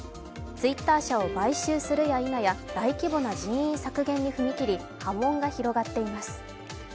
ツイッター社を買収するやいなや大規模な人員削減に踏み切り波紋が広がっています。